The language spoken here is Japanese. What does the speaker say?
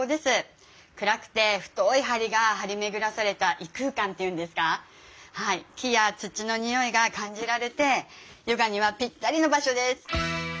暗くて太い梁が張り巡らされた異空間っていうんですかはい木や土の匂いが感じられてヨガにはぴったりの場所です！